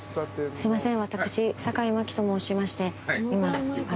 すいません。